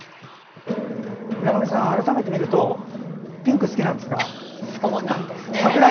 村上さん、改めて見るとピンク、好きなんですか？